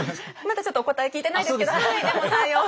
まだちょっとお答え聞いてないですけどはいでも採用。